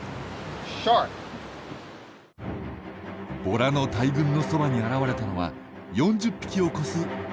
ボラの大群のそばに現れたのは４０匹を超すサメの群れ。